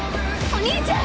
お兄ちゃん！！